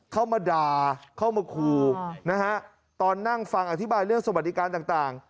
เข้ามาด่าเข้ามาขู่นะฮะตอนนั่งฟังอธิบายเรื่องสวัสดิการต่าง